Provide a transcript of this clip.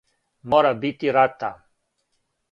Мора бити рата!